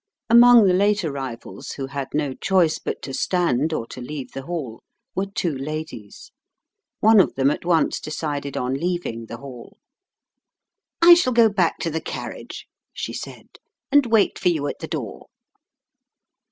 Among the late arrivals, who had no choice but to stand or to leave the hall, were two ladies. One of them at once decided on leaving the hall. "I shall go back to the carriage," she said, "and wait for you at the door."